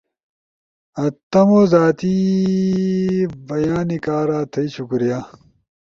ئی تمو زاتی بیانی کارا تھئی شکریہ